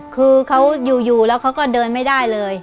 คือเขาอยู่แล้วเขาก็เดินไม่ได้เลย